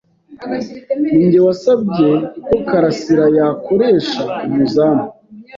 Ninjye wasabye ko Karasirayakoresha umuzamu.